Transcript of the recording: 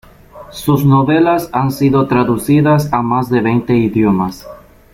Sus novelas han sido traducidas a más de veinte idiomas.